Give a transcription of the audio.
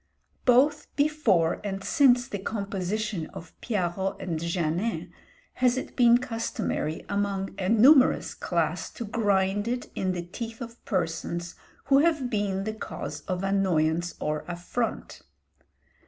Both before and since the composition of 'Piarot and Janin,' has it been customary among a numerous class to grind it in the teeth of persons who have been the cause of annoyance or affront.